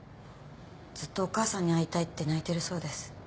ずっとお母さんに会いたいって泣いてるそうです。